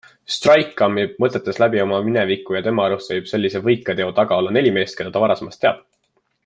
Strike kammib mõtetes läbi oma mineviku ja tema arust võib sellise võika teo taga olla neli meest, keda ta varasemast teab.